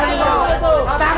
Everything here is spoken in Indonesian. harimau jadi jadian itu